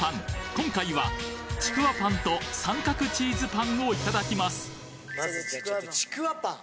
今回はちくわぱんと三角チーズパンをいただきますちくわぱん！